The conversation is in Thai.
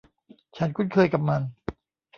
ฉันคุ้นเคยกับมัน